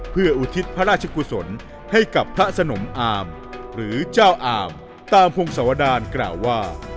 เพื่ออุทิศพระราชกุศลให้กับพระสนมอามหรือเจ้าอามตามพงศวดารกล่าวว่า